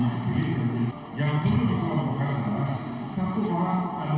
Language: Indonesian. itu dalam tahap pencahayaan